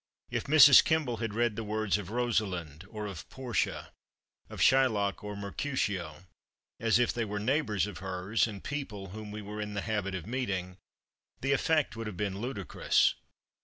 If Mrs. Kemble had read the words of Rosalind or of Portia, of Shylock or Mercutio, as if they were neighbors of hers and people whom we were in the habit of meeting, the effect would have been ludicrous.